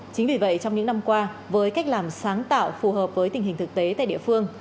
chính vì vậy trong những năm qua với cách làm sáng tạo phù hợp với tình hình thực tế tại địa phương